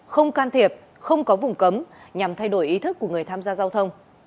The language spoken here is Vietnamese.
không can thiệp không có vùng cấm nhằm thay đổi ý thức của người tham gia giao thông